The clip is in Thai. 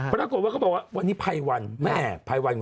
ปรากฏว่าก็บอกว่าวันนี้ภัยวัน